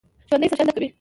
ژوندي سرښندنه کوي